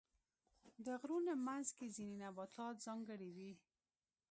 د غرونو منځ کې ځینې نباتات ځانګړي وي.